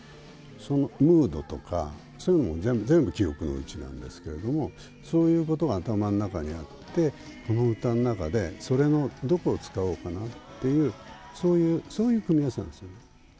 そのムードとか、そういうのも全部記憶のうちなんですけど、そういうことが頭の中にあって、この歌の中でそれのどこを使おうかなっていう、そういう組み合わせなんですね。